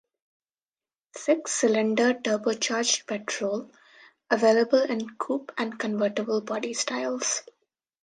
Six-cylinder turbocharged petrol, available in coupe and convertible body styles.